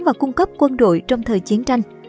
và cung cấp quân đội trong thời chiến tranh